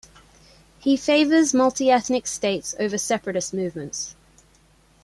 He favors multi-ethnic states over separatist movements.